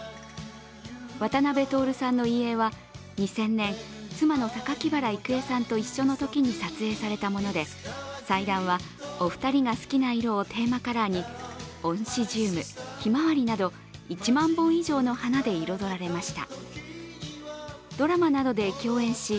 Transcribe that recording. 渡辺徹さんの遺影は２０００年、妻の榊原郁恵さんと一緒のときに撮影されたもので、祭壇は、お二人が好きな色をテーマカラーにオンシジューム、ひまわりなど１万本以上の花で彩られました。